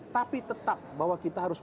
tapi tetap bahwa kita harus